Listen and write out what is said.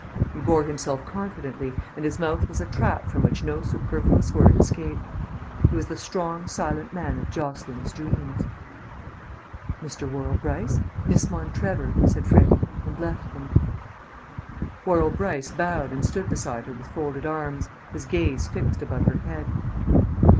He bore himself confidently, and his mouth was a trap from which no superfluous word escaped. He was the strong silent man of Jocelyn's dreams. "Mr. Worrall Brice, Miss Montrevor," said Freddy, and left them. Worrall Brice bowed and stood beside her with folded arms, his gaze fixed above her head.